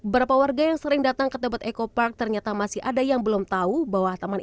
berapa warga yang sering datang ke tebet eco park ternyata masih ada yang belum tahu bahwa taman